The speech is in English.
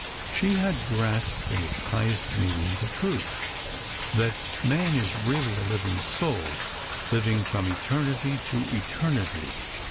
She had grasped in its highest meaning the truth that Man is really a living soul, living from eternity to eternity.